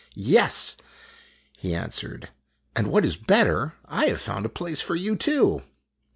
" Yes," he answered. "And what is better, I have found a place for you, too."